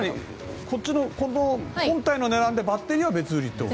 この本体の値段でバッテリーは別売り？